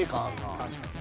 確かにね。